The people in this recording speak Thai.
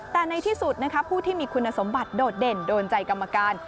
แต่ในที่สุดนะคะผู้ที่มีคุณสมบัติโดดเด่นโดนใจกรรมการ